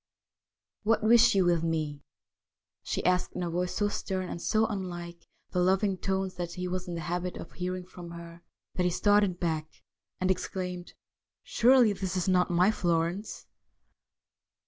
' What wish you with me ?' she asked in a voice so stern and so unlike the loving tones that he was in the habit of hearing from her, that he started back and exclaimed :' Surely this is not my Florence